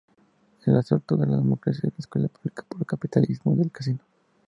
El asalto a la democracia y la escuela pública por el capitalismo de casino.